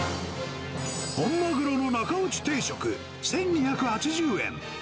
本マグロの中落ち定食１２８０円。